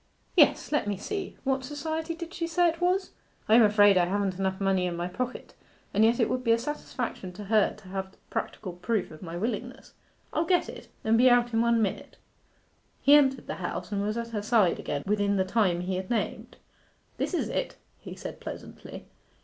'Yes; let me see what Society did she say it was? I am afraid I haven't enough money in my pocket, and yet it would be a satisfaction to her to have practical proof of my willingness. I'll get it, and be out in one minute.' He entered the house and was at her side again within the time he had named. 'This is it,' he said pleasantly.